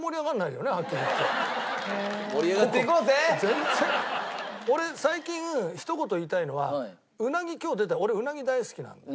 だからもう俺最近ひと言言いたいのはうなぎ今日出た俺うなぎ大好きなの。